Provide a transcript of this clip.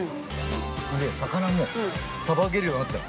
魚もさばけるようになったの。